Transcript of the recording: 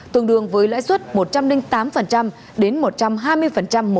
tương đương với lãi suất một trăm linh tám đến một trăm hai mươi một năm